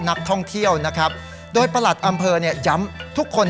นักท่องเที่ยวนะครับโดยประหลัดอำเภอเนี่ยย้ำทุกคน